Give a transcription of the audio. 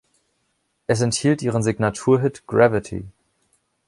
Es enthielt ihren Signatur-Hit „Gravity“.